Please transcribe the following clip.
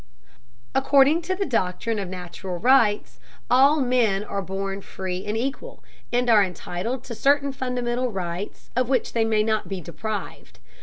According to the doctrine of natural rights, all men are born free and equal, and are entitled to certain fundamental rights of which they may not be deprived.